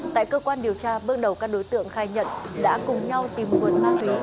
tại cơ quan điều tra bước đầu các đối tượng khai nhận đã cùng nhau tìm nguồn ma túy